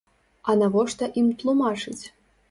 А навошта ім тлумачыць?